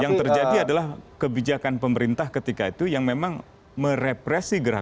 yang terjadi adalah kebijakan pemerintah ketika itu yang memang merepresi gerakan